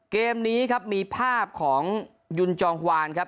เกมนี้ครับมีภาพของยุนจองควานครับ